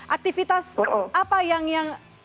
aktivitas apa yang yang